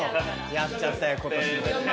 やっちゃったよ今年も。